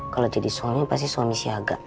kalo jadi suami pasti suami siaga